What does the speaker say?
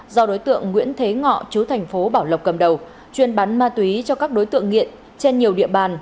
do đối tượng nguyễn thế ngọ chú thành phố bảo lộc cầm đầu chuyên bán ma túy cho các đối tượng nghiện trên nhiều địa bàn